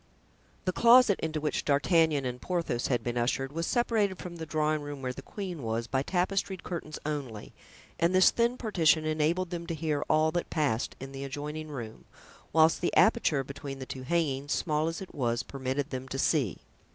The closet into which D'Artagnan and Porthos had been ushered was separated from the drawing room where the queen was by tapestried curtains only, and this thin partition enabled them to hear all that passed in the adjoining room, whilst the aperture between the two hangings, small as it was, permitted them to see.